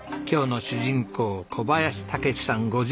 今日の主人公小林武史さん